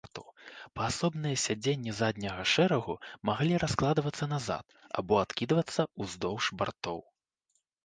Паасобныя сядзенні задняга шэрагу маглі раскладвацца назад або адкідвацца ўздоўж бартоў.